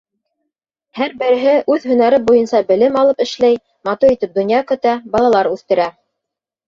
Һәр береһе үҙ һөнәре буйынса белем алып эшләй, матур итеп донъя көтә, балалар үҫтерә.